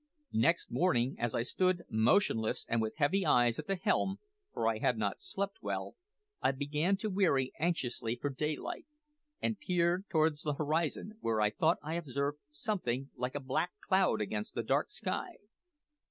Next morning, as I stood motionless and with heavy eyes at the helm for I had not slept well I began to weary anxiously for daylight, and peered towards the horizon, where I thought I observed something like a black cloud against the dark sky.